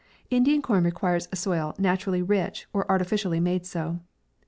Indian corn requires a soil naturally rich, or artificially made so.